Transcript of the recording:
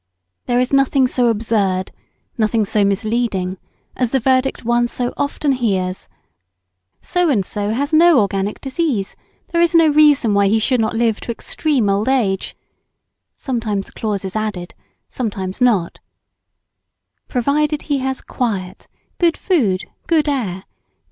There is nothing so absurd, nothing so misleading as the verdict one so often hears: So and so has no organic disease, there is no reason why he should not live to extreme old age; sometimes the clause is added, sometimes not: Provided he has quiet, good food, good air, &c.